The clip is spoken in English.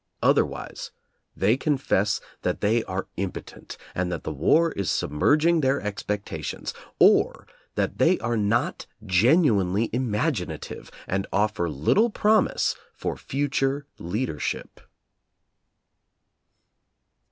Otherwise they confess that they are impotent and that the war is submerging their expectations, or that they are not genuinely imaginative and offer little promise for future leadership.